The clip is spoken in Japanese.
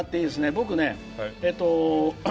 僕ね